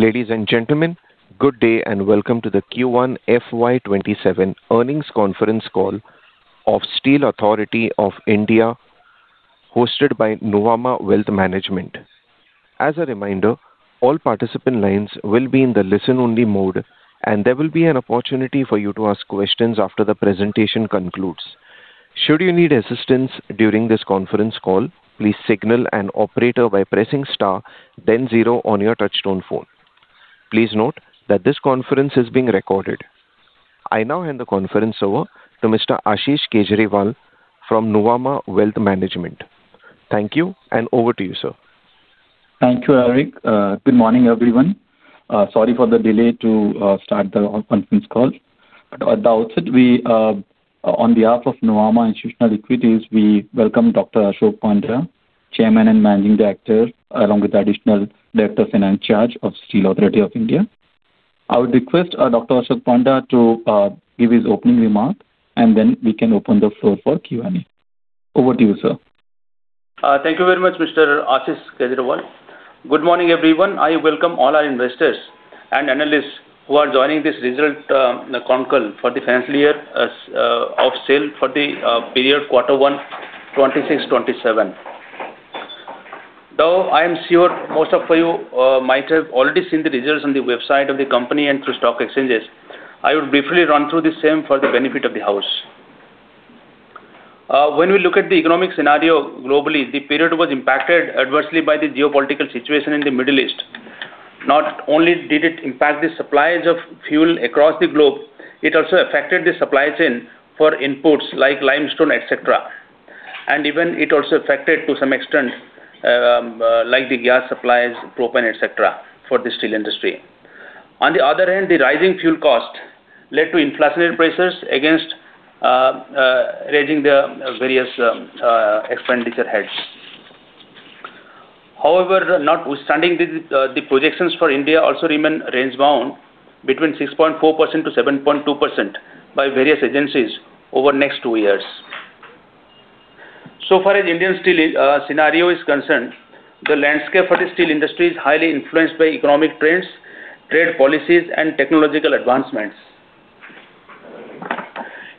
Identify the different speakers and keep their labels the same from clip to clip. Speaker 1: Ladies and gentlemen, good day, and welcome to the Q1 FY 2027 earnings conference call of Steel Authority of India, hosted by Nuvama Wealth Management. As a reminder, all participant lines will be in the listen-only mode, and there will be an opportunity for you to ask questions after the presentation concludes. Should you need assistance during this conference call, please signal an operator by pressing star then zero on your touchtone phone. Please note that this conference is being recorded. I now hand the conference over to Mr. Ashish Kejriwal from Nuvama Wealth Management. Thank you, and over to you, sir.
Speaker 2: Thank you, Eric. Good morning, everyone. Sorry for the delay to start the conference call. At the outset, on behalf of Nuvama Institutional Equities, we welcome Dr. Ashok Panda, Chairman and Managing Director, along with Additional Director Finance charge of Steel Authority of India. I would request Dr. Ashok Panda to give his opening remarks, and then we can open the floor for Q&A. Over to you, sir.
Speaker 3: Thank you very much, Mr. Ashish Kejriwal. Good morning, everyone. I welcome all our investors and analysts who are joining this result, the concall for the financial year of SAIL for the period quarter one, 2026-2027. Though I am sure most of you might have already seen the results on the website of the company and through stock exchanges, I would briefly run through the same for the benefit of the house. When we look at the economic scenario globally, the period was impacted adversely by the geopolitical situation in the Middle East. Not only did it impact the supplies of fuel across the globe, it also affected the supply chain for inputs like limestone, etc. Even it also affected to some extent, like the gas supplies, propane, etc, for the steel industry. On the other hand, the rising fuel cost led to inflationary pressures against raising the various expenditure heads. Notwithstanding this, the projections for India also remain range bound between 6.4%-7.2% by various agencies over the next two years. Far as Indian steel scenario is concerned, the landscape for the steel industry is highly influenced by economic trends, trade policies, and technological advancements.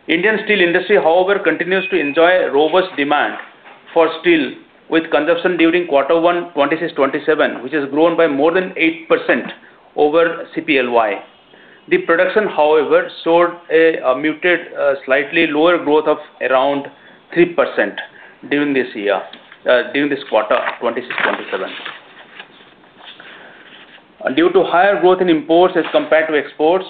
Speaker 3: Indian steel industry, however, continues to enjoy robust demand for steel, with consumption during quarter one, 2026-2027, which has grown by more than 8% over CPLY. The production, however, showed a muted, slightly lower growth of around 3% during this quarter 2026-2027. Due to higher growth in imports as compared to exports,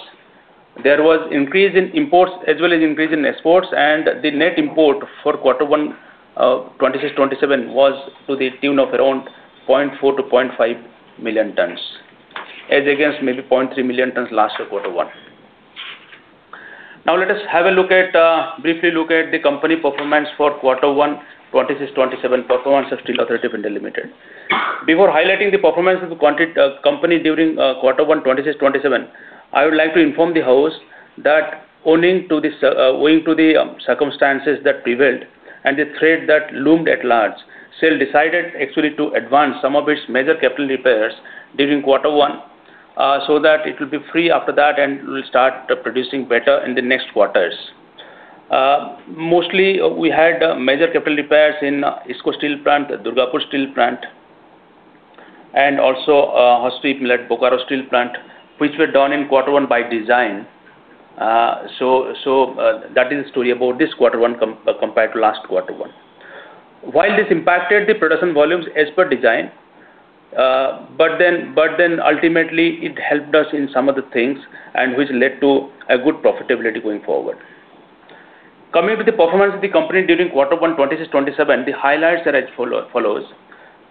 Speaker 3: there was increase in imports as well as increase in exports. The net import for quarter one of 2026-2027 was to the tune of around 0.4 million tonnes-0.5 million tonnes, as against maybe 0.3 million tonnes last quarter one. Let us briefly look at the company performance for quarter one, 2026-2027. Performance of Steel Authority of India Limited. Before highlighting the performance of the company during quarter one, 2026-2027, I would like to inform the House that owing to the circumstances that prevailed and the threat that loomed at large, SAIL decided actually to advance some of its major capital repairs during quarter one, so that it will be free after that and will start producing better in the next quarters. We had major capital repairs in IISCO Steel Plant, Durgapur Steel Plant, and also [Rourkela] Steel Plant, Bokaro Steel Plant, which were done in quarter one by design. That is the story about this quarter one compared to last quarter one. This impacted the production volumes as per design, ultimately it helped us in some of the things, which led to a good profitability going forward. Coming to the performance of the company during quarter one, 2026-2027, the highlights are as follows.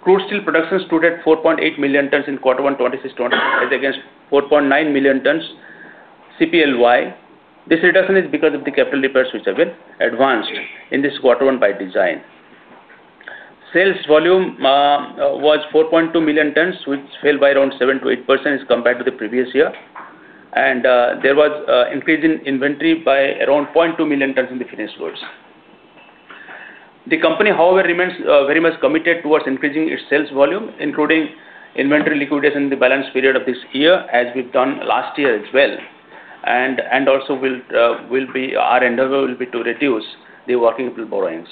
Speaker 3: Crude steel production stood at 4.8 million tonnes in quarter one, 2026-2027, as against 4.9 million tonnes CPLY. This reduction is because of the capital repairs, which have been advanced in this quarter one by design. Sales volume was 4.2 million tonnes, which fell by around 7%-8% as compared to the previous year. There was increase in inventory by around 0.2 million tonnes in the finished goods. The company, however, remains very much committed towards increasing its sales volume, including inventory liquidation in the balance period of this year, as we've done last year as well. Also our endeavor will be to reduce the working pool borrowings.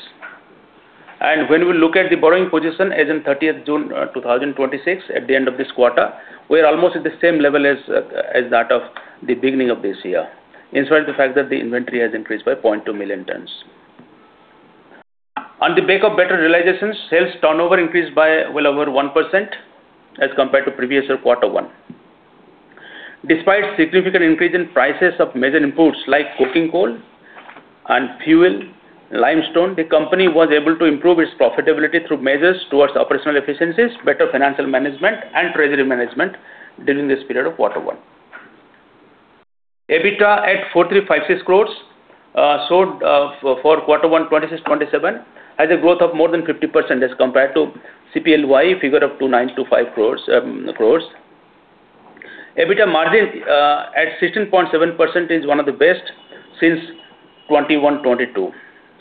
Speaker 3: When we look at the borrowing position as in June 30th, 2026, at the end of this quarter, we are almost at the same level as that of the beginning of this year. In spite of the fact that the inventory has increased by 0.2 million tonnes. On the back of better realizations, sales turnover increased by well over 1% as compared to previous quarter one. Despite significant increase in prices of major imports like coking coal and fuel, limestone, the company was able to improve its profitability through measures towards operational efficiencies, better financial management, and treasury management during this period of quarter one. EBITDA at 4,356 crore showed for quarter one, 2026-2027, has a growth of more than 50% as compared to CPLY figure of 2,925 crore. EBITDA margin at 16.7% is one of the best since 2021-2022,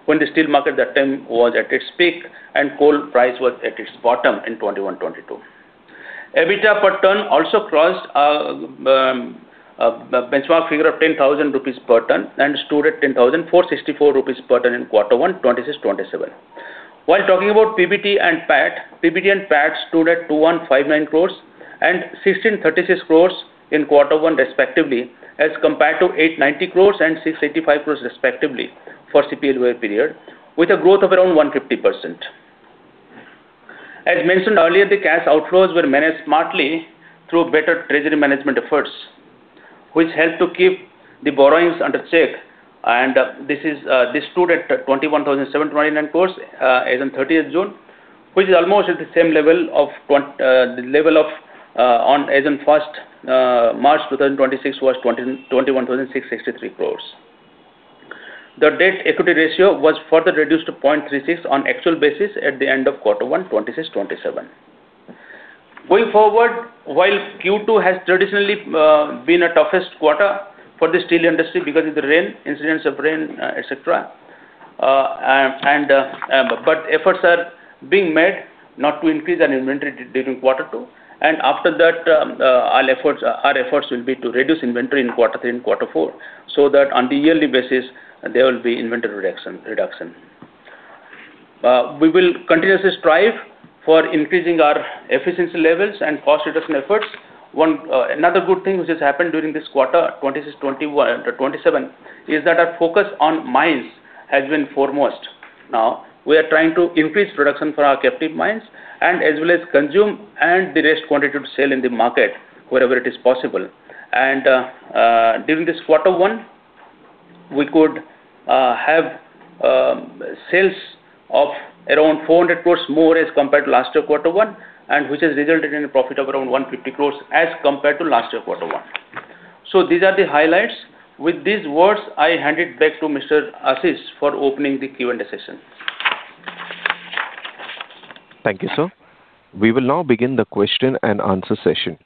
Speaker 3: when the steel market that time was at its peak and coal price was at its bottom in 2021-2022. EBITDA per tonne also crossed a benchmark figure of 10,000 rupees per tonne and stood at 10,464 rupees per tonne in quarter one, 2026-2027. While talking about PBT and PAT, PBT and PAT stood at 2,159 crore and 1,636 crore in quarter one respectively, as compared to 890 crore and 685 crore respectively for CPLY period, with a growth of around 150%. As mentioned earlier, the cash outflows were managed smartly through better treasury management efforts, which helped to keep the borrowings under check and this stood at 21,729 crore as on 30th June, which is almost at the same level as on March 1st, 2026 was 21,663 crore. The debt equity ratio was further reduced to 0.36x on actual basis at the end of quarter one, 2026-2027. Going forward, while Q2 has traditionally been a toughest quarter for the steel industry because of the incidents of rain, etc. Efforts are being made not to increase any inventory during quarter two, and after that, our efforts will be to reduce inventory in quarter three and quarter four, so that on the yearly basis, there will be inventory reduction. We will continuously strive for increasing our efficiency levels and cost reduction efforts. Another good thing which has happened during this quarter, 2026-2027, is that our focus on mines has been foremost. Now, we are trying to increase production for our captive mines and as well as consume and the rest quantity to sell in the market wherever it is possible. During this quarter one, we could have sales of around 400 crore more as compared to last year quarter one, and which has resulted in a profit of around 150 crore as compared to last year quarter one. These are the highlights. With these words, I hand it back to Mr. Ashish for opening the Q&A session.
Speaker 1: Thank you, sir. We will now begin the question-and-answer session.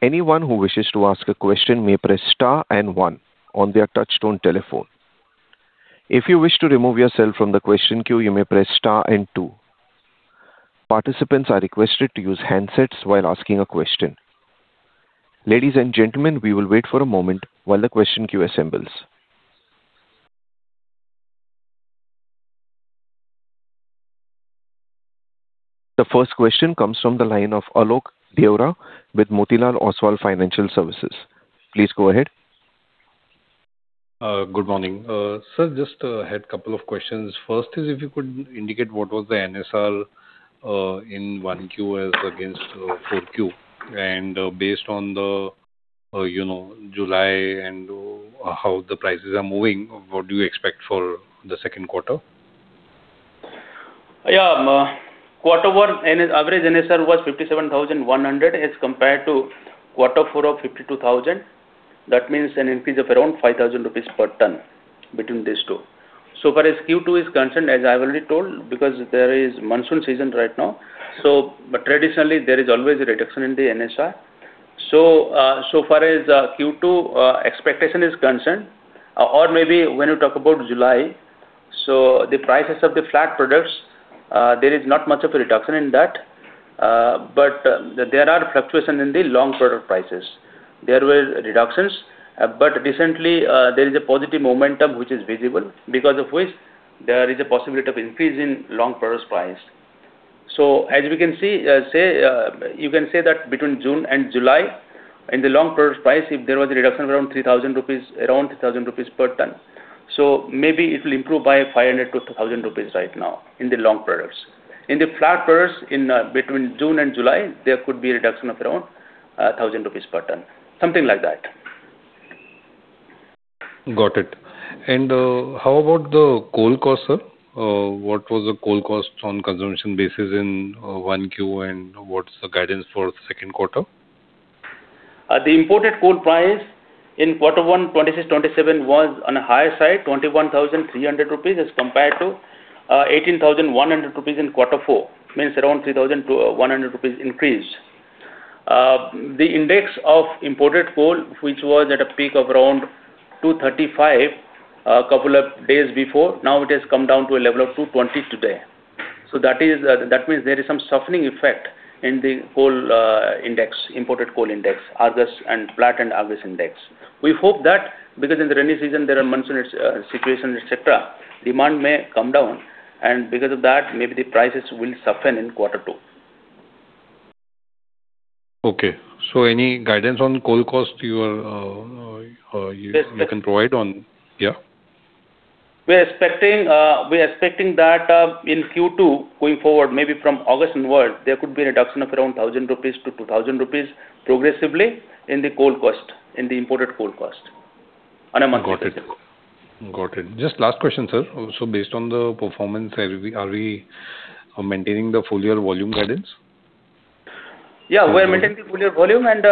Speaker 1: Anyone who wishes to ask a question may press star and one on their touchtone telephone. If you wish to remove yourself from the question queue, you may press star and two. Participants are requested to use handsets while asking a question. Ladies and gentlemen, we will wait for a moment while the question queue assembles. The first question comes from the line of Alok Deora with Motilal Oswal Financial Services. Please go ahead.
Speaker 4: Good morning. Sir, just had couple of questions. First is if you could indicate what was the NSR in 1Q as against 4Q. Based on the July and how the prices are moving, what do you expect for the second quarter?
Speaker 3: Quarter one average NSR was 57,100 as compared to quarter four of 52,000. That means an increase of around 5,000 rupees per tonne between these two. As far as Q2 is concerned, as I've already told, because there is monsoon season right now, traditionally there is always a reduction in the NSR. As far as Q2 expectation is concerned or maybe when you talk about July, the prices of the flat products, there is not much of a reduction in that. There are fluctuation in the long product prices. There were reductions, but recently, there is a positive momentum which is visible because of which there is a possibility of increase in long product price. You can say that between June and July, in the long product price, there was a reduction of around 3,000 rupees per tonne. Maybe it will improve by 500-1,000 rupees right now in the long products. In the flat products, between June and July, there could be a reduction of around 1,000 rupees per tonne. Something like that.
Speaker 4: Got it. How about the coal cost, sir? What was the coal cost on consumption basis in 1Q, and what's the guidance for second quarter?
Speaker 3: The imported coal price in quarter one, 2026-2027 was on the higher side, 21,300 rupees as compared to 18,100 rupees in quarter four, means around 3,100 rupees increase. The index of imported coal, which was at a peak of around 235 a couple of days before, now it has come down to a level of 220 today. That means there is some softening effect in the imported coal index, Argus and Platts and Argus index. We hope that because in the rainy season there are monsoon situations, etc, demand may come down and because of that, maybe the prices will soften in quarter two.
Speaker 4: Okay. Any guidance on coal cost you can provide on? Yeah.
Speaker 3: We're expecting that in Q2, going forward, maybe from August onward, there could be a reduction of around 1,000-2,000 rupees progressively in the imported coal cost on a monthly basis.
Speaker 4: Got it. Just last question, sir. Based on the performance, are we maintaining the full year volume guidance?
Speaker 3: Yeah, we are maintaining the full year volume, and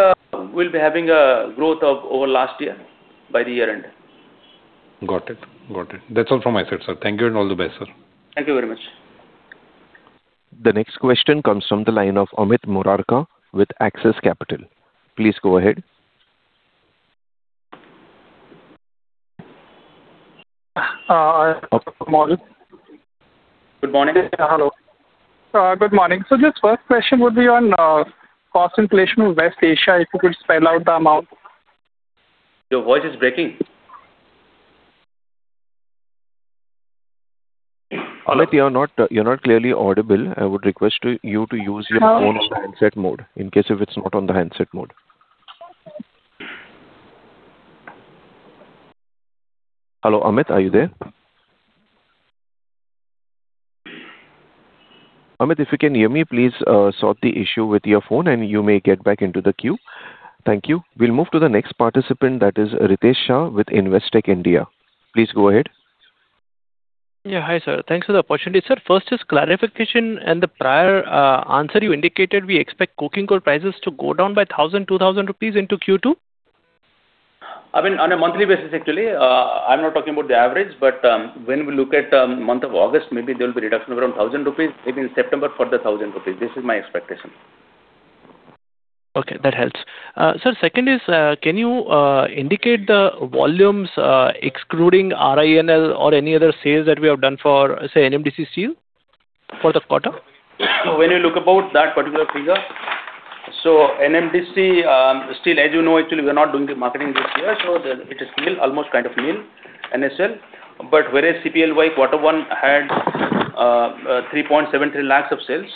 Speaker 3: we'll be having a growth of over last year by the year end.
Speaker 4: Got it. That's all from my side, sir. Thank you and all the best, sir.
Speaker 3: Thank you very much.
Speaker 1: The next question comes from the line of Amit Murarka with Axis Capital. Please go ahead.
Speaker 5: Good morning.
Speaker 3: Good morning.
Speaker 5: Hello. Good morning. Just first question would be on cost inflation of West Asia. If you could spell out the amount.
Speaker 3: Your voice is breaking.
Speaker 1: Amit, you're not clearly audible. I would request you to use your phone on handset mode, in case if it's not on the handset mode. Hello, Amit, are you there? Amit, if you can hear me, please sort the issue with your phone, and you may get back into the queue. Thank you. We'll move to the next participant, that is Ritesh Shah with Investec India. Please go ahead.
Speaker 6: Yeah. Hi, sir. Thanks for the opportunity. Sir, first is clarification in the prior answer you indicated we expect coking coal prices to go down by 1,000, 2,000 rupees into Q2?
Speaker 3: On a monthly basis, actually. I'm not talking about the average. When we look at month of August, maybe there'll be reduction around 1,000 rupees. Maybe in September, further 1,000 rupees. This is my expectation.
Speaker 6: Okay. That helps. Sir, second is, can you indicate the volumes excluding RINL or any other sales that we have done for, say, NMDC Steel for the quarter?
Speaker 3: When you look about that particular figure, NMDC Steel, as you know, actually, we are not doing the marketing this year, it is nil, almost kind of nil, NSL. Whereas CPLY, quarter one had 3.73 lakhs of sales.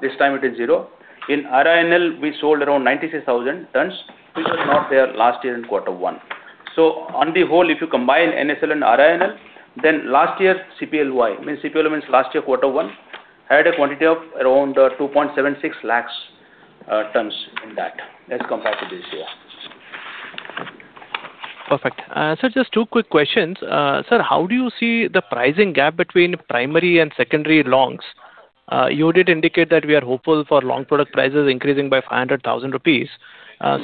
Speaker 3: This time it is zero. In RINL, we sold around 96,000 tonnes, which was not there last year in quarter one. On the whole, if you combine NSL and RINL, then last year CPLY, CPL means last year quarter one, had a quantity of around 2.76 lakhs tonnes in that as compared to this year.
Speaker 6: Perfect. Sir, just two quick questions. Sir, how do you see the pricing gap between primary and secondary longs? You did indicate that we are hopeful for long product prices increasing by [100,000 rupees].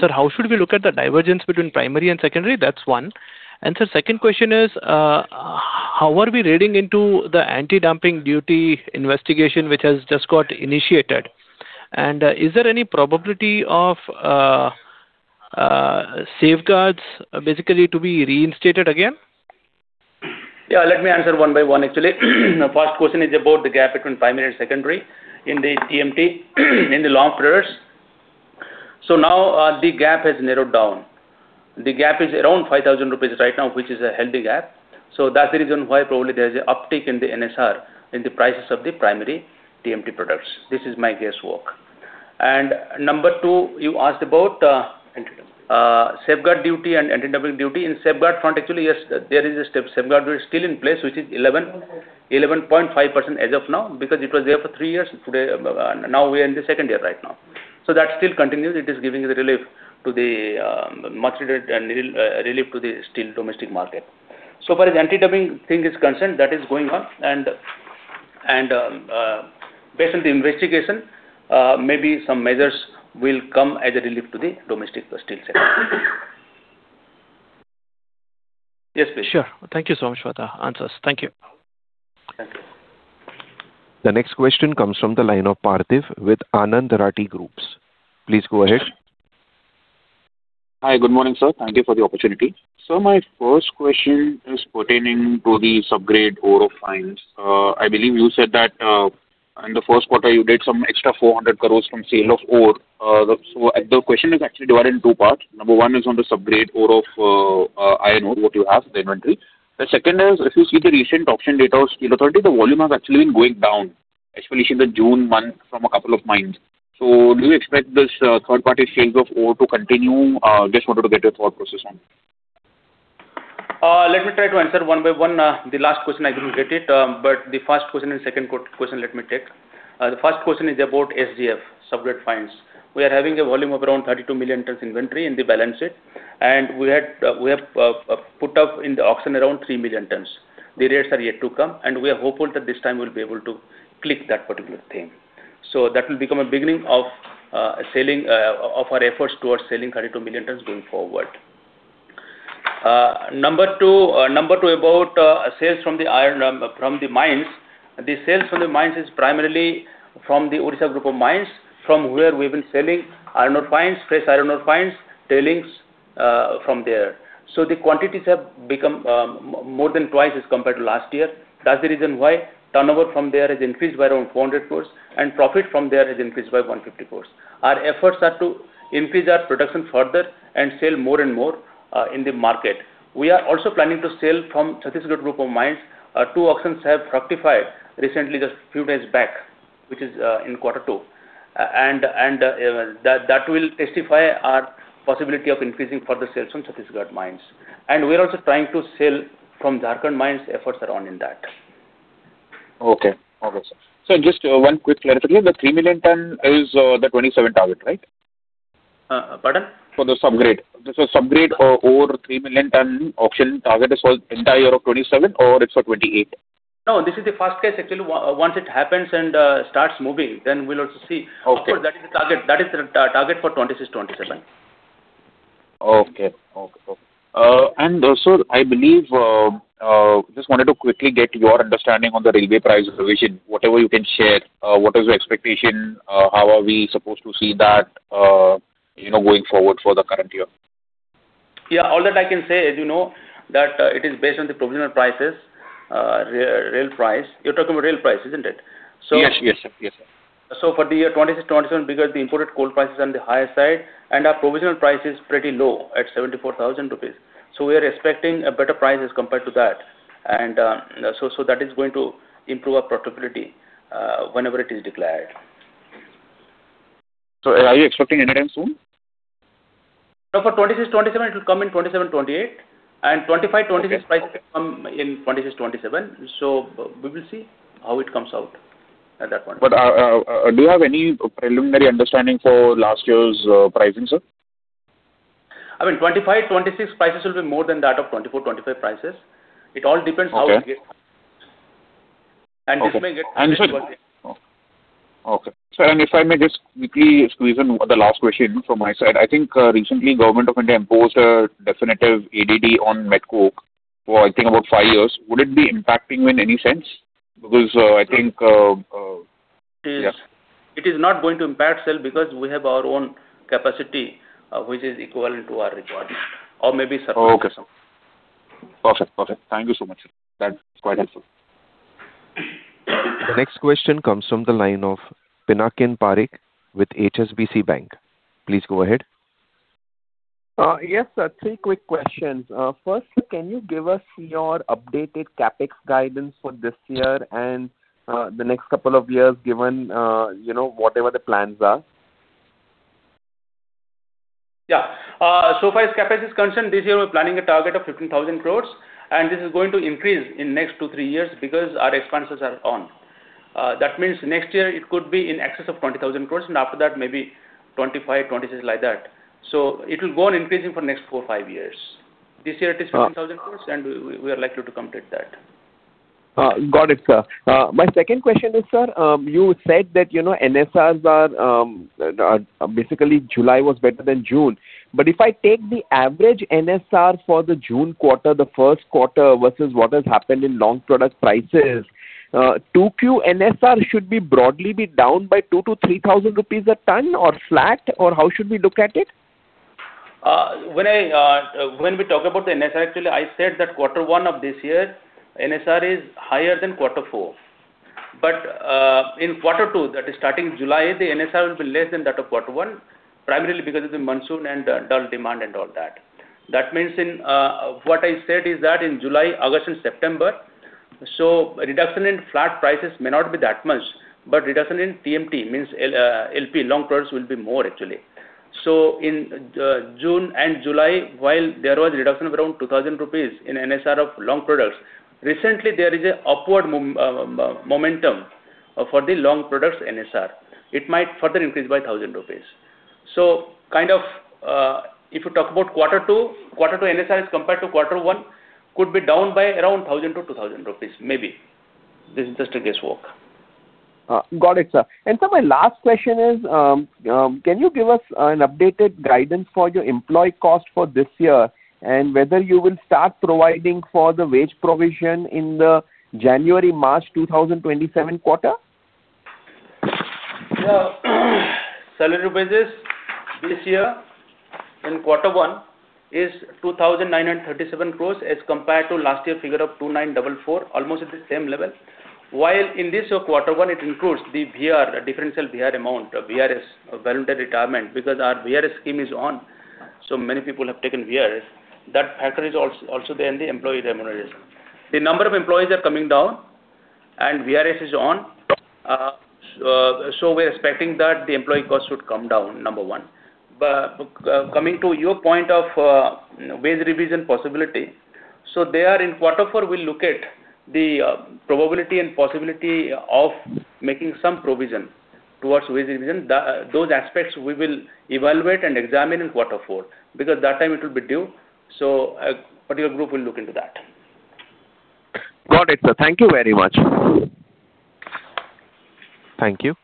Speaker 6: Sir, how should we look at the divergence between primary and secondary? That's one. Sir, second question is, how are we reading into the anti-dumping duty investigation, which has just got initiated? Is there any probability of safeguards basically to be reinstated again?
Speaker 3: Yeah. Let me answer one by one, actually. First question is about the gap between primary and secondary in the TMT, in the long products. Now, the gap has narrowed down. The gap is around 5,000 rupees right now, which is a healthy gap. That's the reason why probably there's a uptick in the NSR in the prices of the primary TMT products. This is my guesswork. Number two, you asked about-
Speaker 6: Anti-dumping.
Speaker 3: ...safeguard duty and anti-dumping duty. In safeguard front, actually, yes. There is a safeguard duty still in place, which is 11.5% as of now, because it was there for three years. Now we are in the second year right now. That still continues. It is giving the relief to the much-needed relief to the steel domestic market. So far as anti-dumping thing is concerned, that is going on, and based on the investigation, maybe some measures will come as a relief to the domestic steel sector.
Speaker 6: Yes, please. Sure. Thank you so much for the answers. Thank you.
Speaker 3: Thank you.
Speaker 1: The next question comes from the line of Parthiv with Anand Rathi Group. Please go ahead.
Speaker 7: Hi. Good morning, sir. Thank you for the opportunity. Sir, my first question is pertaining to the sub-grade ore of fines. I believe you said that in the first quarter, you did some extra 400 crore from sale of ore. The question is actually divided in two parts. Number one is on the sub-grade ore of iron ore, what you have, the inventory. The second is, if you see the recent auction data of Steel Authority, the volume has actually been going down, especially since the June month from a couple of mines. Do you expect this third-party sales of ore to continue? Just wanted to get your thought process on.
Speaker 3: Let me try to answer one by one. The last question, I didn't get it. The first question and second question, let me take. The first question is about SGF, sub-grade fines. We are having a volume of around 32 million tons inventory in the balance sheet. We have put up in the auction around 3 million tons. The rates are yet to come. We are hopeful that this time we'll be able to click that particular thing. That will become a beginning of our efforts towards selling 32 million tons going forward. Number two about sales from the mines. The sales from the mines is primarily from the Odisha Group of Mines, from where we've been selling iron ore fines, fresh iron ore fines, tailings from there. The quantities have become more than twice as compared to last year. That's the reason why turnover from there has increased by around 400 crore and profit from there has increased by 150 crore. Our efforts are to increase our production further and sell more and more in the market. We are also planning to sell from Chhattisgarh Group of Mines. Two auctions have fructified recently, just few days back, which is in quarter two. That will testify our possibility of increasing further sales from Chhattisgarh mines. We're also trying to sell from Jharkhand mines. Efforts are on in that.
Speaker 7: Okay. All right, sir. Sir, just one quick clarity. The 3 million tons is the 2027 target, right?
Speaker 3: Pardon?
Speaker 7: For the sub-grade. The sub-grade ore 3 million tons auction target is for entire year of 2027 or it's for 2028?
Speaker 3: No, this is the first case actually. Once it happens and starts moving, then we'll also see.
Speaker 7: Okay.
Speaker 3: Of course, that is the target for 2026-2027.
Speaker 7: Okay. Also, I believe, just wanted to quickly get your understanding on the railway price revision, whatever you can share. What is your expectation? How are we supposed to see that going forward for the current year?
Speaker 3: Yeah. All that I can say is, that it is based on the provisional prices, rail price. You're talking about rail price, isn't it?
Speaker 7: Yes.
Speaker 3: For the year 2026-2027, because the imported coal price is on the higher side and our provisional price is pretty low at 74,000 rupees. We are expecting better prices compared to that. That is going to improve our profitability, whenever it is declared.
Speaker 7: Are you expecting anytime soon?
Speaker 3: For 2026-2027, it will come in 2027-2028 and 2025-2026 prices will come in 2026-2027. We will see how it comes out at that point.
Speaker 7: Do you have any preliminary understanding for last year's pricing, sir?
Speaker 3: I mean, 2025-2026 prices will be more than that of 2024-2025 prices. It all depends how it gets. This may get
Speaker 7: Okay. If I may just quickly squeeze in the last question from my side. I think recently Government of India imposed a definitive ADD on met coke for I think about five years. Would it be impacting you in any sense? Because I think-
Speaker 3: It is not going to impact SAIL because we have our own capacity, which is equivalent to our requirement or maybe surplus.
Speaker 7: Okay. Perfect. Thank you so much, sir. That's quite helpful.
Speaker 1: The next question comes from the line of Pinakin Parekh with HSBC Bank. Please go ahead.
Speaker 8: Yes, sir. Three quick questions. First, can you give us your updated CapEx guidance for this year and the next couple of years, given whatever the plans are?
Speaker 3: Far as CapEx is concerned, this year, we're planning a target of 15,000 crore, and this is going to increase in next two, three years because our expansions are on. That means next year it could be in excess of 20,000 crore, and after that, maybe 25,000, 26,000, like that. It will go on increasing for next four, five years. This year it is 15,000 crore, and we are likely to complete that.
Speaker 8: Got it, sir. My second question is, sir, you said that NSRs are, basically July was better than June. If I take the average NSR for the June quarter, the first quarter, versus what has happened in long product prices, 2Q NSR should be broadly be down by 2,000-3,000 rupees a ton or flat? How should we look at it?
Speaker 3: When we talk about the NSR, actually, I said that quarter one of this year, NSR is higher than quarter four. In quarter two, that is starting July, the NSR will be less than that of quarter one, primarily because of the monsoon and dull demand and all that. That means, what I said is that in July, August, and September, reduction in flat prices may not be that much, but reduction in TMT, means LP, long products, will be more, actually. In June and July, while there was reduction of around 2,000 rupees in NSR of long products, recently, there is an upward momentum for the long products NSR. It might further increase by 1,000 rupees. If you talk about quarter two NSR as compared to quarter one, could be down by around 1,000-2,000 rupees, maybe. This is just a guesswork.
Speaker 8: Got it, sir. Sir, my last question is, can you give us an updated guidance for your employee cost for this year and whether you will start providing for the wage provision in the January-March 2027 quarter?
Speaker 3: Salary raises this year in quarter one is 2,937 crore as compared to last year's figure of 2,944, almost at the same level. While in this quarter one, it includes the VR, differential VR amount, VRS, voluntary retirement, because our VR scheme is on, many people have taken VRS. That factor is also there in the employee remuneration. The number of employees are coming down and VRS is on. We're expecting that the employee cost would come down, number one. Coming to your point of wage revision possibility. There in quarter four, we'll look at the probability and possibility of making some provision towards wage revision. Those aspects we will evaluate and examine in quarter four because that time it will be due. Material group will look into that.
Speaker 8: Got it, sir. Thank you very much.
Speaker 1: Thank you.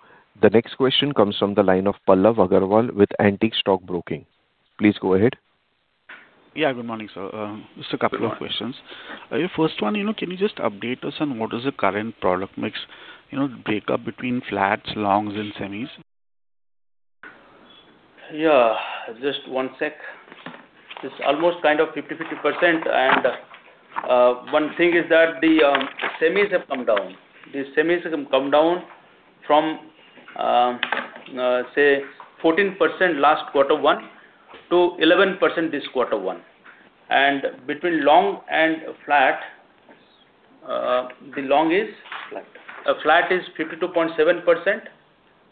Speaker 1: The next question comes from the line of Pallav Agarwal with Antique Stock Broking. Please go ahead.
Speaker 9: Yeah, good morning, sir. Just a couple of questions. First one, can you just update us on what is the current product mix, breakup between flats, longs, and semis?
Speaker 3: Yeah. Just one sec. It's almost kind of 50%, 50%. One thing is that the semis have come down. The semis have come down from, say, 14% last quarter one to 11% this quarter one. Between long and flat is 52.7%,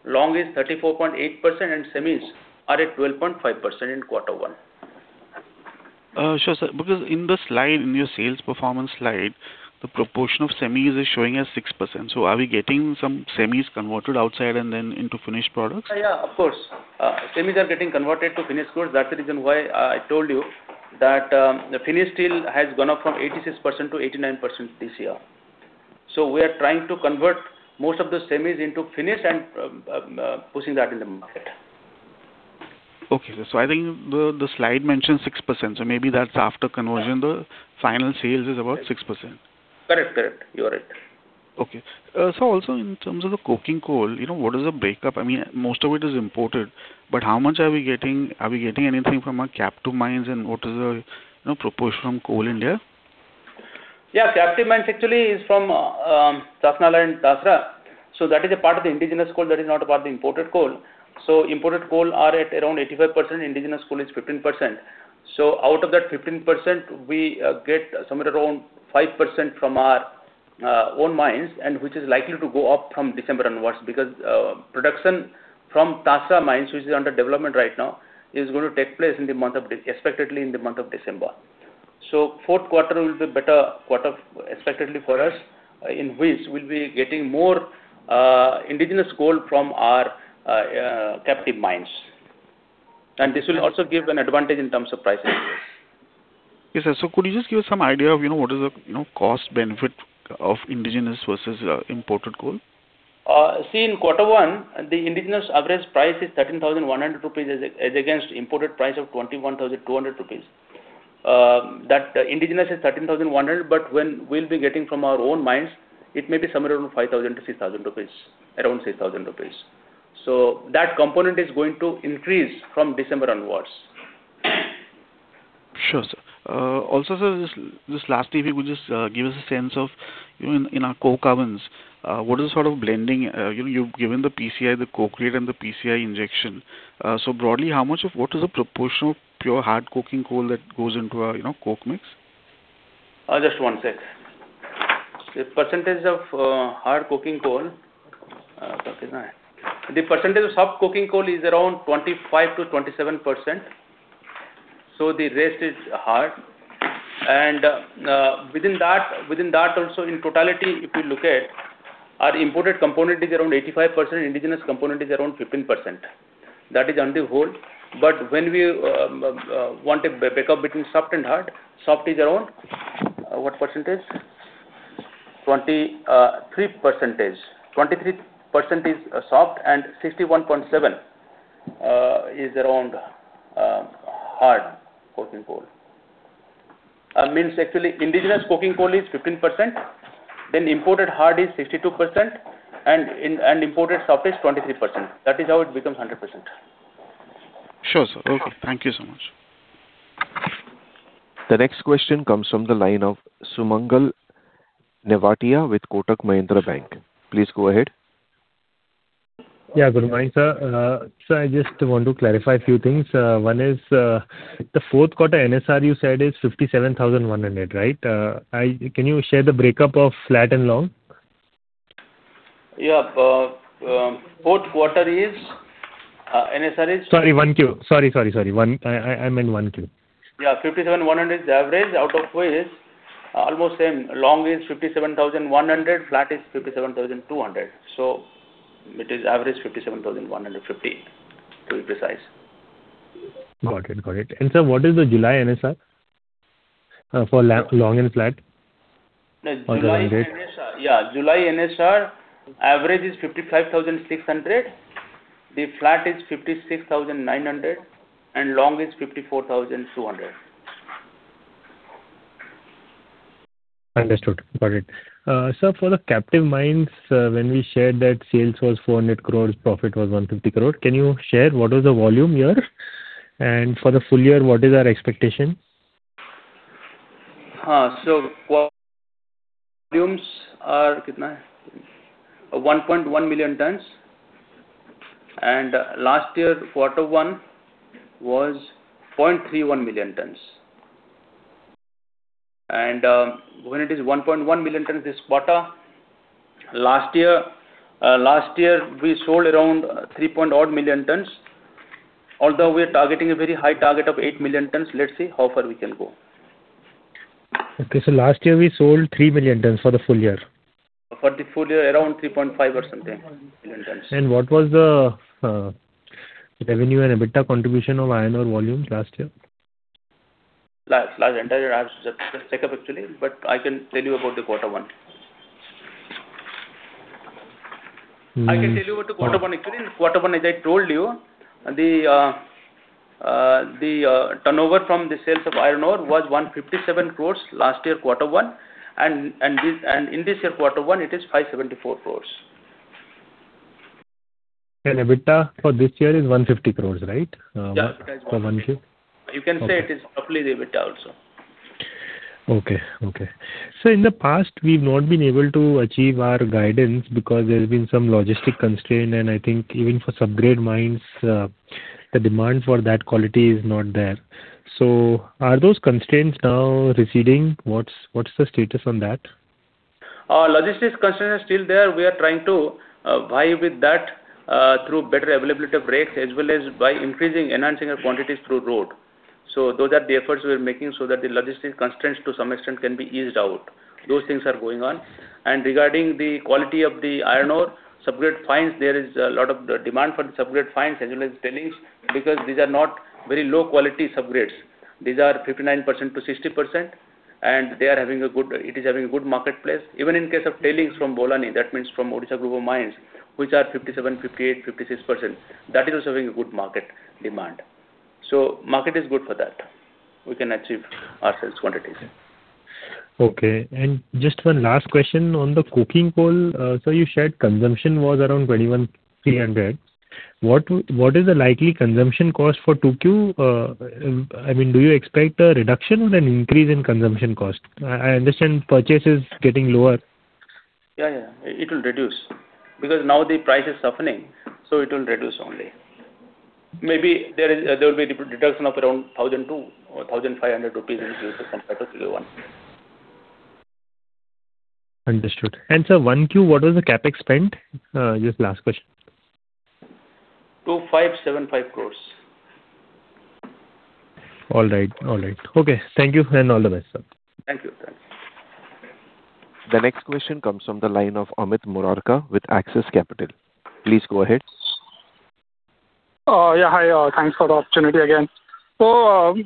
Speaker 3: long is 34.8%, and semis are at 12.5% in quarter one.
Speaker 9: Sure, sir. Because in the slide, in your sales performance slide, the proportion of semis is showing as 6%. Are we getting some semis converted outside and then into finished products?
Speaker 3: Yeah, of course. Semis are getting converted to finished goods. That's the reason why I told you that finished steel has gone up from 86%-89% this year. We are trying to convert most of the semis into finished and pushing that in the market.
Speaker 9: Okay. I think the slide mentions 6%. Maybe that's after conversion, the final sales is about 6%.
Speaker 3: Correct. You are right.
Speaker 9: Okay. Also in terms of the coking coal, what is the breakup? Most of it is imported, but how much are we getting? Are we getting anything from our captive mines and what is the proportion from Coal India?
Speaker 3: Yeah, captive mines actually is from Chasnala and Tasra. That is a part of the indigenous coal, that is not a part of the imported coal. Imported coal are at around 85%, indigenous coal is 15%. Out of that 15%, we get somewhere around 5% from our own mines and which is likely to go up from December onwards because production from Tasra mines, which is under development right now, is going to take place expectedly in the month of December. Fourth quarter will be a better quarter expectedly for us, in which we'll be getting more indigenous coal from our captive mines. This will also give an advantage in terms of pricing.
Speaker 9: Yes. Could you just give us some idea of what is the cost benefit of indigenous versus imported coal?
Speaker 3: See, in quarter one, the indigenous average price is 13,100 rupees as against imported price of 21,200 rupees. That indigenous is 13,100, but when we'll be getting from our own mines, it may be somewhere around 5,000-6,000 rupees, around 6,000 rupees. That component is going to increase from December onwards.
Speaker 9: Sure, sir. Also, sir, this last [TV], would you just give us a sense of in our coke ovens, what is the sort of blending? You've given the PCI, the coke rate, and the PCI injection. Broadly, what is the proportion of pure hard coking coal that goes into our coke mix?
Speaker 3: Just one sec. The percentage of soft coking coal is around 25%-27%. The rest is hard. Within that also, in totality, if you look at our imported component is around 85%, indigenous component is around 15%. That is on the whole. When we want a backup between soft and hard, soft is around, what percentage? 23% is soft and 61.7% is around hard coking coal. Means actually indigenous coking coal is 15%, then imported hard is 62%, and imported soft is 23%. That is how it becomes 100%.
Speaker 9: Sure, sir. Okay. Thank you so much.
Speaker 1: The next question comes from the line of Sumangal Nevatia with Kotak Mahindra Bank. Please go ahead.
Speaker 10: Yeah, good morning, sir. Sir, I just want to clarify a few things. One is, the fourth quarter NSR you said is 57,100, right? Can you share the breakup of flat and long?
Speaker 3: Yeah. Fourth quarter NSR is-
Speaker 10: Sorry, 1Q. Sorry. I meant 1Q.
Speaker 3: Yeah, 57,100 is the average, out of which almost same long is 57,100, flat is 57,200. It is average 57,150 to be precise.
Speaker 10: Got it. Sir, what is the July NSR, for long and flat?
Speaker 3: Yeah, July NSR average is 55,600. The flat is 56,900 and long is 54,200.
Speaker 10: Understood. Got it. Sir, for the captive mines, when we shared that sales was 400 crore, profit was 150 crore, can you share what is the volume here? For the full year, what is our expectation?
Speaker 3: Volumes are 1.1 million tons, last year quarter one was 0.31 million tons. When it is 1.1 million tons this quarter, last year we sold around 3 point-odd million tons. Although we are targeting a very high target of 8 million tons, let's see how far we can go.
Speaker 10: Okay. Last year we sold 3 million tons for the full year.
Speaker 3: For the full year, around 3.5 million tons or something million tons.
Speaker 10: What was the revenue and EBITDA contribution of iron ore volume last year?
Speaker 3: I'll have to check up actually, but I can tell you about the quarter one. I can tell you about the quarter one actually. In quarter one, as I told you, the turnover from the sales of iron ore was 157 crore last year quarter one, and in this year quarter one, it is 574 crore.
Speaker 10: EBITDA for this year is 150 crore, right?
Speaker 3: Yeah.
Speaker 10: For 1Q.
Speaker 3: You can say it is roughly the EBITDA also.
Speaker 10: In the past, we've not been able to achieve our guidance because there's been some logistic constraint, and I think even for sub-grade mines, the demand for that quality is not there. Are those constraints now receding? What's the status on that?
Speaker 3: Logistics constraint is still there. We are trying to vibe with that through better availability of rates as well as by increasing enhancing our quantities through road. Those are the efforts we're making so that the logistic constraints to some extent can be eased out. Those things are going on. Regarding the quality of the iron ore sub-grade fines, there is a lot of demand for the sub-grade fines as well as tailings, because these are not very low quality sub-grades. These are 59%-60%, and it is having a good marketplace. Even in case of tailings from Bolani, that means from Odisha Group of Mines, which are 57%, 58%, 56%, that is also having a good market demand. Market is good for that. We can achieve our sales quantities.
Speaker 10: Okay. Just one last question on the coking coal. Sir, you shared consumption was around 21,300. What is the likely consumption cost for 2Q? Do you expect a reduction or an increase in consumption cost? I understand purchase is getting lower.
Speaker 3: Yeah. It will reduce, because now the price is softening, so it will reduce only. Maybe there will be a reduction of around 1,200 or 1,500 rupees in Q2 compared to Q1.
Speaker 10: Understood. Sir, 1Q, what was the CapEx spend? Just last question.
Speaker 3: INR 2,575 crore.
Speaker 10: All right. Okay. Thank you, and all the best, sir.
Speaker 3: Thank you.
Speaker 1: The next question comes from the line of Amit Murarka with Axis Capital. Please go ahead.
Speaker 5: Yeah. Hi. Thanks for the opportunity again.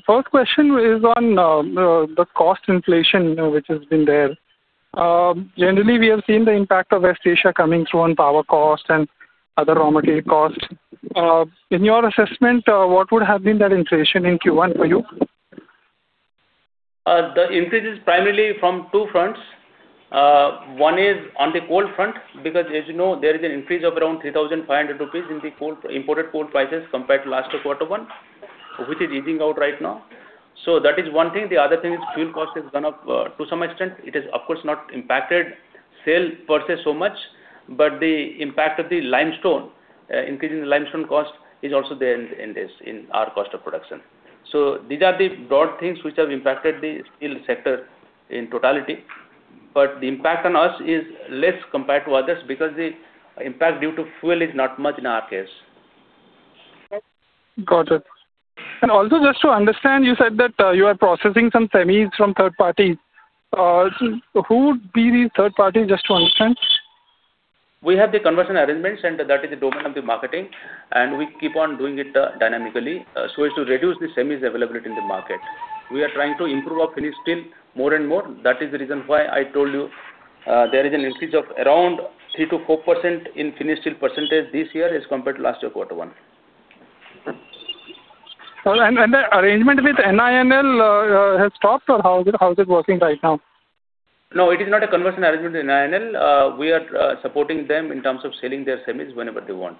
Speaker 5: First question is on the cost inflation, which has been there. Generally, we have seen the impact of West Asia coming through on power cost and other raw material costs. In your assessment, what would have been that inflation in Q1 for you?
Speaker 3: The increase is primarily from two fronts. One is on the coal front, because as you know, there is an increase of around 3,500 rupees in the imported coal prices compared to last quarter one, which is easing out right now. That is one thing. The other thing is fuel cost has gone up to some extent. It has, of course, not impacted sale purchase so much, but the impact of the limestone, increase in the limestone cost, is also there in our cost of production. These are the broad things which have impacted the steel sector in totality, but the impact on us is less compared to others because the impact due to fuel is not much in our case.
Speaker 5: Got it. Also, just to understand, you said that you are processing some semis from third parties. Who would be the third party, just to understand?
Speaker 3: We have the conversion arrangements, and that is the domain of the marketing, and we keep on doing it dynamically. As to reduce the semis availability in the market. We are trying to improve our finished steel more and more. That is the reason why I told you, there is an increase of around 3%-4% in finished steel percentage this year as compared to last quarter one.
Speaker 5: The arrangement with NINL has stopped or how is it working right now?
Speaker 3: No, it is not a conversion arrangement with NINL. We are supporting them in terms of selling their semis whenever they want.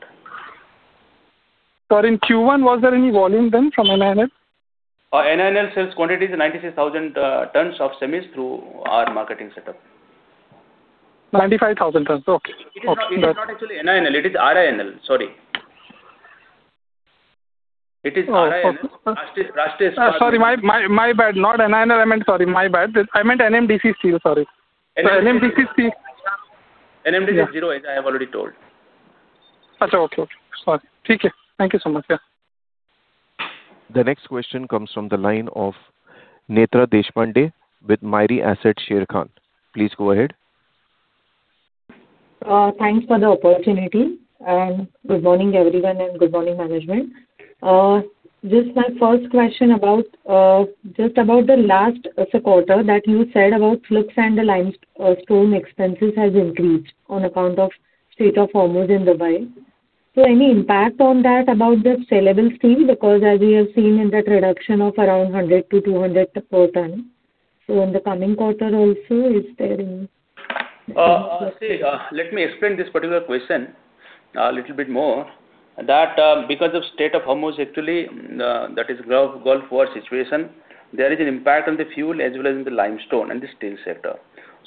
Speaker 5: Sir, in Q1, was there any volume then from NINL?
Speaker 3: NINL sales quantity is 96,000 tons of semis through our marketing setup.
Speaker 5: 95,000 tons. Okay.
Speaker 3: It is not actually NINL. It is RINL. Sorry. It is RINL, Rashtriya.
Speaker 5: Sorry, my bad. Not NINL. Sorry, my bad. I meant NMDC Steel, sorry. NMDC Steel.
Speaker 3: NMDC is zero, as I have already told.
Speaker 5: Okay. Sorry. Thank you so much. Yeah.
Speaker 1: The next question comes from the line of Netra Deshpande with Mirae Asset Sharekhan. Please go ahead.
Speaker 11: Thanks for the opportunity, good morning, everyone, and good morning, management. My first question, about the last quarter that you said about flux and the limestone expenses has increased on account of Strait of Hormuz in Dubai. Any impact on that about the sellable steel? As we have seen in that reduction of around 100-INR200 per ton. In the coming quarter also, is there any-
Speaker 3: See, let me explain this particular question a little bit more. That because of Strait of Hormuz, actually, that is Gulf war situation, there is an impact on the fuel as well as in the limestone and the steel sector.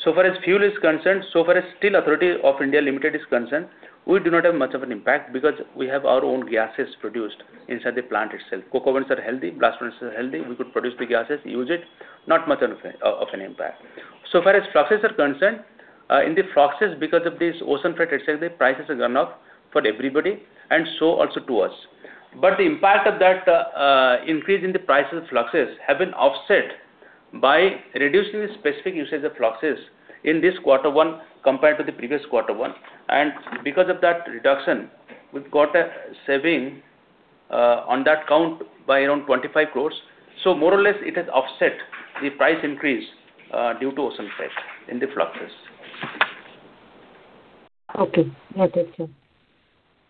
Speaker 3: Far as fuel is concerned, so far as Steel Authority of India Limited is concerned, we do not have much of an impact because we have our own gases produced inside the plant itself. Coke ovens are healthy, blast furnaces are healthy. We could produce the gases, use it, not much of an impact. Far as fluxes are concerned, in the fluxes, because of this ocean freight, etc, the prices have gone up for everybody, and so also to us. The impact of that increase in the price of fluxes have been offset by reducing the specific usage of fluxes in this quarter one compared to the previous quarter one, and because of that reduction, we've got a saving on that count by around 25 crore. More or less it has offset the price increase due to ocean freight in the fluxes.
Speaker 11: Okay.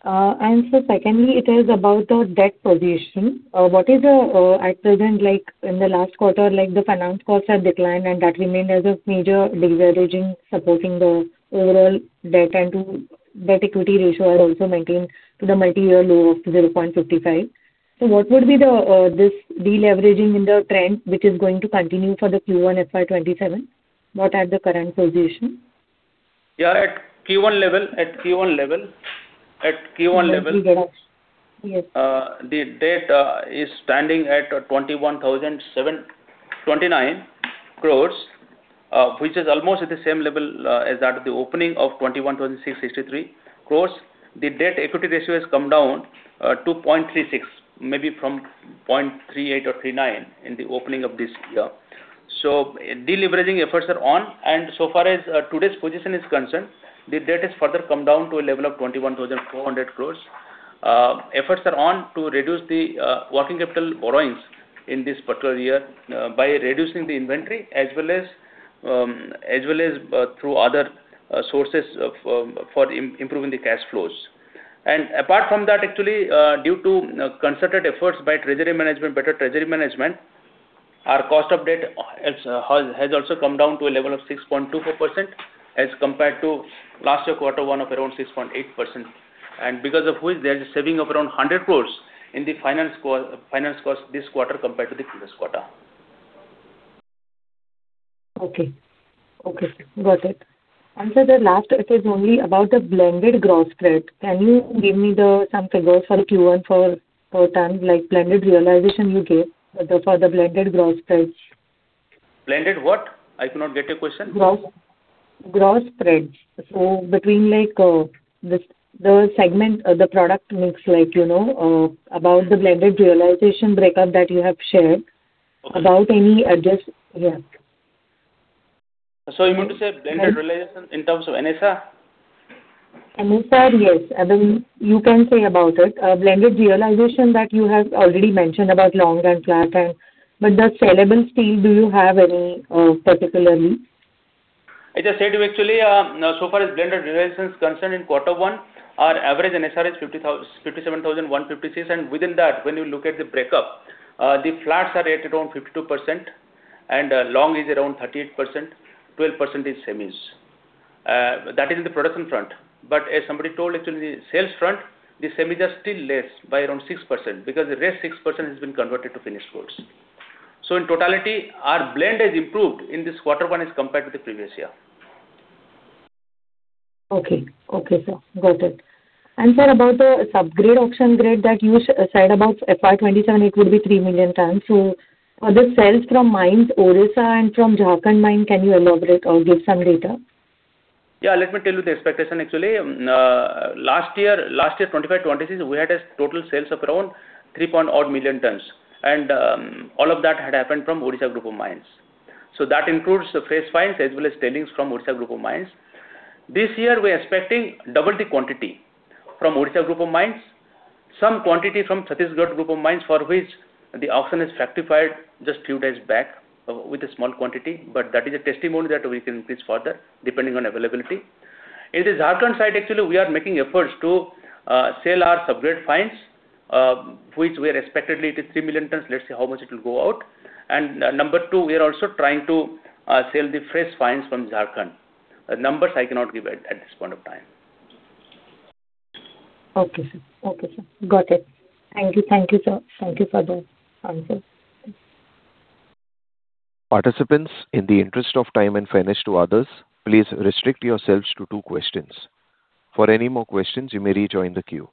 Speaker 11: Got it, sir. Sir, secondly, it is about the debt position. What is at present, like in the last quarter, the finance costs have declined and that remained as a major deleveraging supporting the overall debt and debt-equity ratio has also maintained to the multi-year low of 0.55x. What would be this deleveraging in the trend which is going to continue for the Q1 FY 2027? What is the current position?
Speaker 3: Yeah, at Q1 level-
Speaker 11: Yes.
Speaker 3: The debt is standing at 21,029 crore, which is almost at the same level as that of the opening of 21,663 crore. The debt equity ratio has come down to 0.36x, maybe from 0.38x or 0.39x in the opening of this year. Deleveraging efforts are on, and so far as today's position is concerned, the debt has further come down to a level of 21,400 crore. Efforts are on to reduce the working capital borrowings in this particular year by reducing the inventory, as well as through other sources for improving the cash flows. Apart from that, actually, due to concerted efforts by treasury management, better treasury management, our cost of debt has also come down to a level of 6.24%, as compared to last year quarter one of around 6.8%. Because of which there is a saving of around 100 crore in the finance cost this quarter compared to the previous quarter.
Speaker 11: Okay. Got it. Sir, the last it is only about the blended gross spread. Can you give me some figures for Q1 for term, like blended realization you gave, but for the blended gross spreads?
Speaker 3: Blended what? I cannot get your question.
Speaker 11: Gross spread. Between the segment, the product mix, about the blended realization breakup that you have shared.
Speaker 3: Okay.
Speaker 11: About any adjust, yeah.
Speaker 3: You mean to say blended realization in terms of NSR?
Speaker 11: NSR, yes. I mean, you can say about it. Blended realization that you have already mentioned about long and flat iron, the sellable steel, do you have any, particularly?
Speaker 3: I just said, actually, so far as blended realization is concerned in quarter one, our average NSR is 57,156 and within that, when you look at the breakup, the flats are at around 52% and long is around 38%, 12% is semis. That is in the production front. As somebody told, actually, the sales front, the semis are still less by around 6%, because the rest 6% has been converted to finished goods. In totality, our blend has improved in this quarter one as compared to the previous year.
Speaker 11: Okay, sir. Got it. Sir, about the subgrade auction grade that you said about FY 2027, it would be 3 million tons. The sales from mines, Odisha and from Jharkhand mine, can you elaborate or give some data?
Speaker 3: Let me tell you the expectation, actually. Last year 2025-2026, we had a total sales of around 3 point-odd million tons, and all of that had happened from Odisha Group of Mines. That includes the fresh fines as well as tailings from Odisha Group of Mines. This year, we're expecting double the quantity from Odisha Group of Mines. Some quantity from Chhattisgarh Group of Mines, for which the auction is fructified just few days back with a small quantity, but that is a testimony that we can increase further depending on availability. In the Jharkhand side, actually, we are making efforts to sell our sub-grade fines, which we are expectedly 3 million tons. Let's see how much it will go out. Number two, we are also trying to sell the fresh fines from Jharkhand. Numbers I cannot give at this point of time.
Speaker 11: Okay, sir. Got it. Thank you, sir. Thank you for the answer.
Speaker 1: Participants, in the interest of time and fairness to others, please restrict yourselves to two questions. For any more questions, you may rejoin the queue.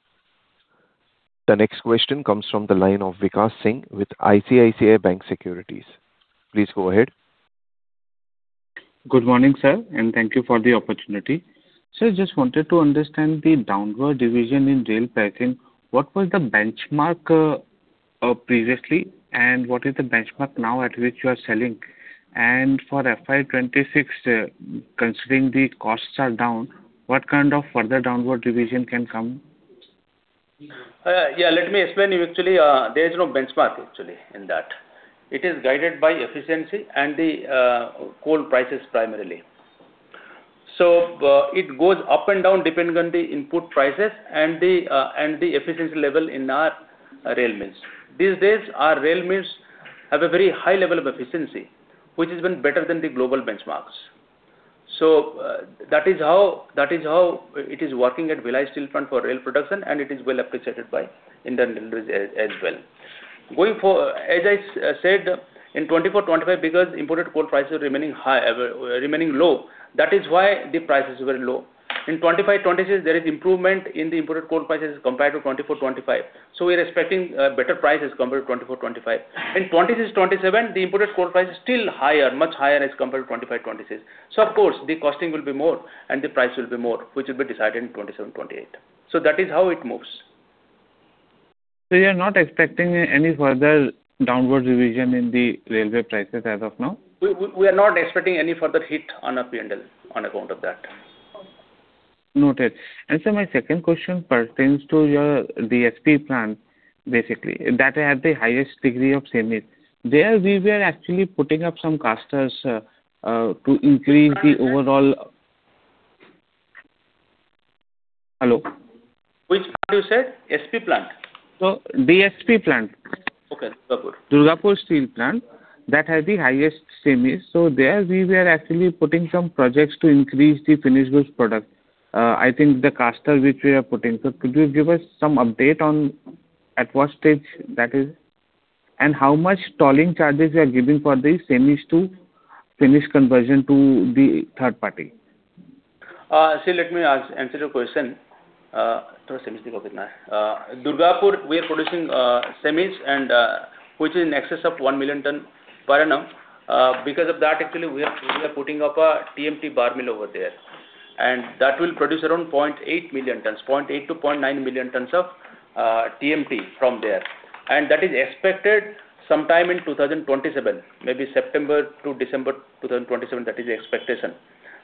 Speaker 1: The next question comes from the line of Vikash Singh with ICICI Bank Securities. Please go ahead.
Speaker 12: Good morning, sir. Thank you for the opportunity. Sir, just wanted to understand the downward revision in rail pricing. What was the benchmark previously, and what is the benchmark now at which you are selling? For FY 2026, considering the costs are down, what kind of further downward revision can come?
Speaker 3: Yeah, let me explain you. Actually, there is no benchmark actually in that. It is guided by efficiency and the coal prices primarily. It goes up and down depending on the input prices and the efficiency level in our rail mills. These days, our rail mills have a very high level of efficiency, which is even better than the global benchmarks. That is how it is working at Bhilai Steel Plant for rail production, and it is well appreciated by Indian Railways as well. As I said, in 2024-2025, because imported coal prices remaining low, that is why the prices were low. In 2025-2026, there is improvement in the imported coal prices compared to 2024-2025. We are expecting better prices compared to 2024-2025. In 2026-2027, the imported coal price is still higher, much higher as compared to 2025-2026. Of course, the costing will be more, and the price will be more, which will be decided in 2027-2028. That is how it moves.
Speaker 12: You're not expecting any further downward revision in the railway prices as of now?
Speaker 3: We are not expecting any further hit on P&L on account of that.
Speaker 12: Sir, my second question pertains to your DSP plant, basically. That had the highest degree of semis. There we were actually putting up some casters to increase the overall-- Hello?
Speaker 3: Which plant you said? SP plant?
Speaker 12: No, DSP plant.
Speaker 3: Okay, Durgapur.
Speaker 12: Durgapur Steel Plant. That had the highest semis. There we were actually putting some projects to increase the finished goods product. I think the caster which we are putting. Could you give us some update on at what stage that is? How much tolling charges you are giving for the semis to finished conversion to the third party?
Speaker 3: See, let me answer your question. Durgapur, we are producing semis, which is in excess of 1 million ton per annum. Because of that, actually, we are putting up a TMT bar mill over there, and that will produce around 0.8 million tons, 0.8 million tons-0.9 million tons of TMT from there. That is expected sometime in 2027, maybe September-December 2027. That is the expectation.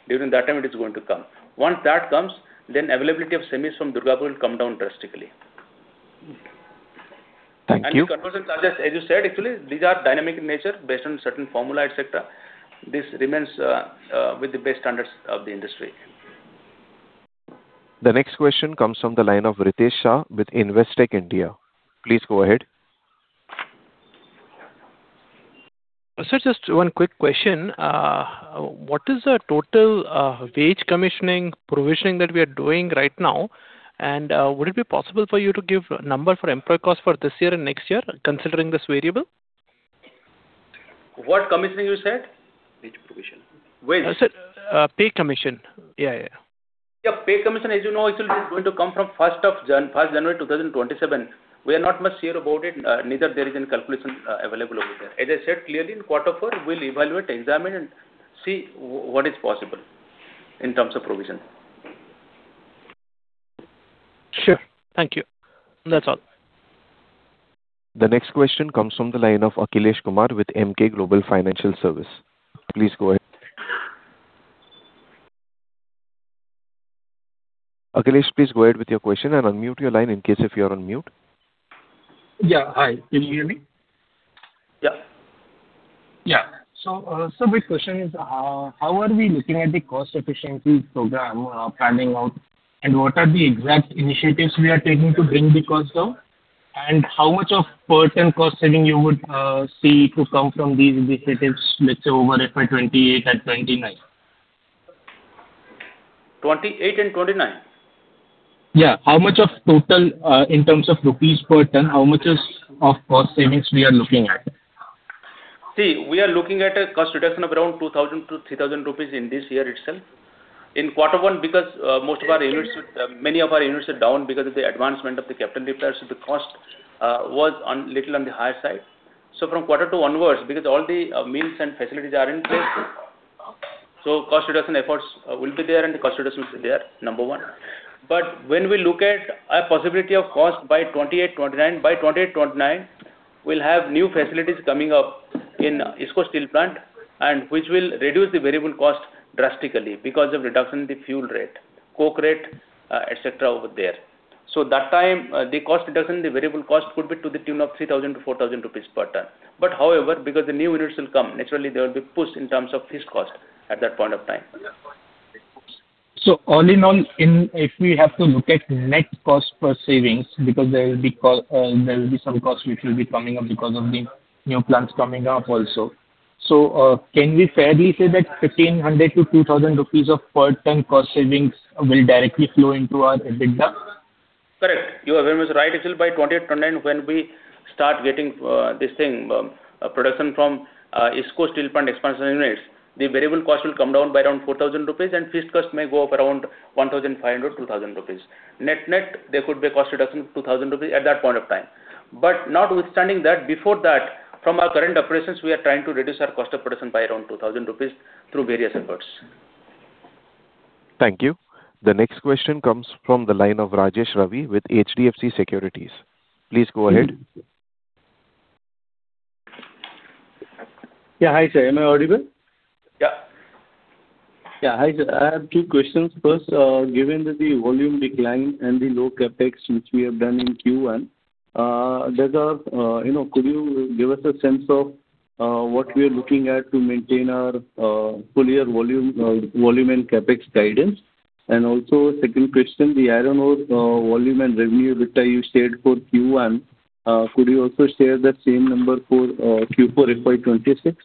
Speaker 3: During that time it is going to come. Once that comes, availability of semis from Durgapur will come down drastically.
Speaker 1: Thank you.
Speaker 3: The conversion charges, as you said actually, these are dynamic in nature based on certain formula, etc. This remains with the best standards of the industry.
Speaker 1: The next question comes from the line of Ritesh Shah with Investec India. Please go ahead.
Speaker 6: Sir, just one quick question. What is the total wage commissioning provisioning that we are doing right now? Would it be possible for you to give a number for employee cost for this year and next year, considering this variable?
Speaker 3: What commissioning you said?
Speaker 6: Pay commission.
Speaker 3: Wage?
Speaker 6: Sir, pay commission. Yeah.
Speaker 3: Yeah, pay commission, as you know, actually is going to come from first January 2027. We are not much sure about it, neither there is any calculation available over there. As I said clearly, in quarter four, we'll evaluate, examine, and see what is possible in terms of provision.
Speaker 6: Sure. Thank you. That's all.
Speaker 1: The next question comes from the line of Akhilesh Kumar with Emkay Global Financial Services. Please go ahead. Akhilesh, please go ahead with your question and unmute your line in case if you are on mute.
Speaker 13: Yeah. Hi. Can you hear me?
Speaker 3: Yeah.
Speaker 13: Yeah. Big question is how are we looking at the cost efficiency program planning out, what are the exact initiatives we are taking to bring the cost down? How much of per ton cost saving you would see to come from these initiatives, let's say over FY 2028 and 2029?
Speaker 3: 2028 and 2029?
Speaker 13: Yeah. How much of total, in terms of rupee per ton, how much is of cost savings we are looking at?
Speaker 3: We are looking at a cost reduction of around 2,000-3,000 rupees in this year itself. In quarter one, because many of our units are down because of the advancement of the capital repairs, the cost was little on the higher side. From quarter two onwards, because all the means and facilities are in place, cost reduction efforts will be there, and the cost reduction is there, number one. When we look at a possibility of cost by 2028, 2029, by 2028, 2029, we will have new facilities coming up in IISCO Steel Plant and which will reduce the variable cost drastically because of reduction in the fuel rate, coke rate, etc over there. That time, the cost reduction, the variable cost could be to the tune of 3,000-4,000 rupees per ton. However, because the new units will come, naturally, there will be a push in terms of fixed cost at that point of time.
Speaker 13: All in all, if we have to look at net cost per savings, because there will be some cost which will be coming up because of the new plants coming up also. Can we fairly say that 1,500-2,000 rupees of per ton cost savings will directly flow into our EBITDA?
Speaker 3: Correct. You are very much right. Actually, by 2028-2029, when we start getting production from IISCO Steel Plant expansion units, the variable cost will come down by around 4,000 rupees and fixed cost may go up around 1,500-2,000 rupees. Net, there could be a cost reduction of 2,000 rupees at that point of time. Notwithstanding that, before that, from our current operations, we are trying to reduce our cost of production by around 2,000 rupees through various efforts.
Speaker 1: Thank you. The next question comes from the line of Rajesh Ravi with HDFC Securities. Please go ahead.
Speaker 14: Yeah. Hi, sir. Am I audible?
Speaker 3: Yeah.
Speaker 14: Yeah. Hi, sir. I have two questions. First, given that the volume decline and the low CapEx which we have done in Q1, could you give us a sense of what we are looking at to maintain our full year volume and CapEx guidance? Also a second question, the iron ore volume and revenue EBITDA you shared for Q1, could you also share that same number for Q4 FY 2026?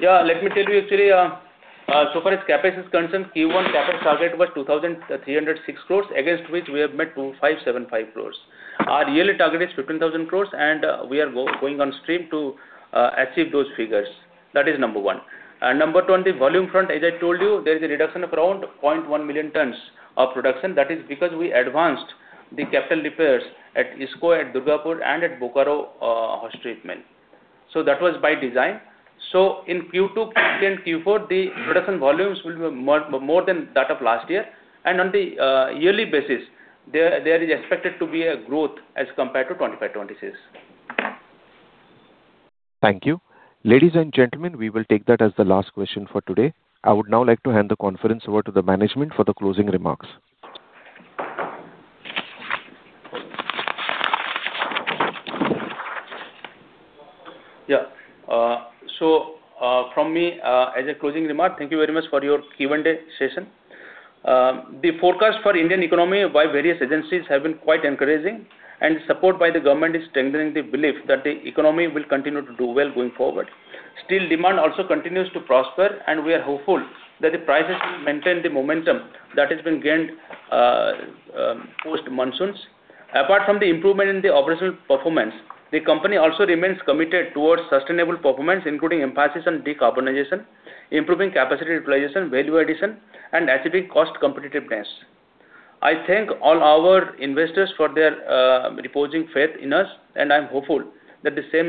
Speaker 3: Yeah. Let me tell you actually, so far as CapEx is concerned, Q1 CapEx target was 2,306 crore against which we have met 2,575 crore. Our yearly target is 15,000 crore. We are going on stream to achieve those figures. That is number one. Number two, on the volume front, as I told you, there is a reduction of around 0.1 million tons of production. That is because we advanced the capital repairs at IISCO, at Durgapur, and at Bokaro Hot Treatment. That was by design. In Q2 and Q4, the production volumes will be more than that of last year. On the yearly basis, there is expected to be a growth as compared to FY 2025-2026.
Speaker 1: Thank you. Ladies and gentlemen, we will take that as the last question for today. I would now like to hand the conference over to the management for the closing remarks.
Speaker 3: From me, as a closing remark, thank you very much for your Q&A day session. The forecast for Indian economy by various agencies have been quite encouraging, and support by the government is strengthening the belief that the economy will continue to do well going forward. Steel demand also continues to prosper, and we are hopeful that the prices will maintain the momentum that has been gained post monsoons. Apart from the improvement in the operational performance, the company also remains committed towards sustainable performance, including emphasis on decarbonization, improving capacity utilization, value addition, and achieving cost competitiveness. I thank all our investors for their reposing faith in us, and I am hopeful that the same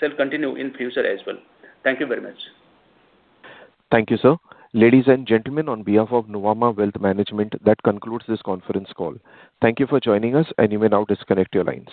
Speaker 3: shall continue in future as well. Thank you very much.
Speaker 1: Thank you, sir. Ladies and gentlemen, on behalf of Nuvama Wealth Management, that concludes this conference call. Thank you for joining us and you may now disconnect your lines.